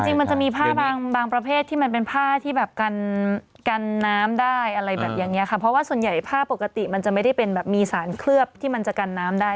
จริงมันจะมีผ้าบางประเภทที่มันเป็นผ้าที่แบบกันน้ำได้อะไรแบบอย่างเงี้ค่ะเพราะว่าส่วนใหญ่ผ้าปกติมันจะไม่ได้เป็นแบบมีสารเคลือบที่มันจะกันน้ำได้